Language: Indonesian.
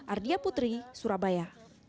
ardia putri surabaya